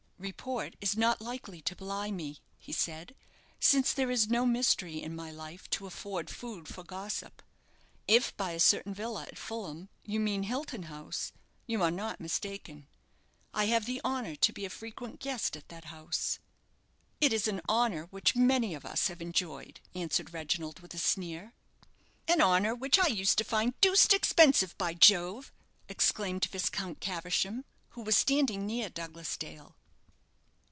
"Report is not likely to belie me," he said, "since there is no mystery in my life to afford food for gossip. If by a certain villa at Fulham you mean Hilton House, you are not mistaken. I have the honour to be a frequent guest at that house." "It is an honour which many of us have enjoyed," answered Reginald, with a sneer. "An honour which I used to find deuced expensive, by Jove!" exclaimed Viscount Caversham, who was standing near Douglas Dale.